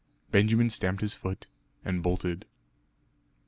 Benjamin stamped his foot, and bolted.